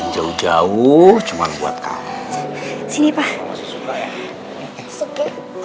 jauh jauh cuma buat kamu sini pak